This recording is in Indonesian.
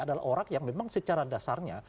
adalah orang yang memang secara dasarnya